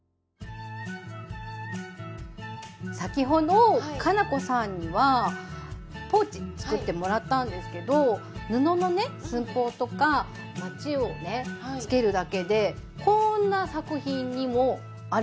先ほど佳菜子さんにはポーチ作ってもらったんですけど布のね寸法とかまちをねつけるだけでこんな作品にもアレンジできちゃうんです。